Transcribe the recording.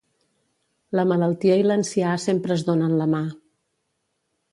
La malaltia i l'ancià sempre es donen la mà.